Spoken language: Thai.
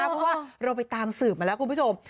เพราะว่าเราไปตามสืบมาแล้วคุณผู้ชม